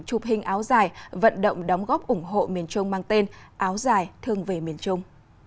chụp hình áo dài vận động đóng góp ủng hộ miền trung mang tên áo dài thương về miền trung